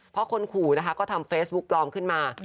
เพราะคนขู่นะคะก็ทำเฟซบุ๊กปลอมขึ้นมา